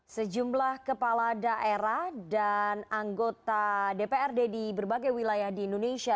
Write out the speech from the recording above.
sejumlah kepala daerah dan anggota dprd di berbagai wilayah di indonesia